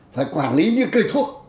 phải quản lý như cây thuốc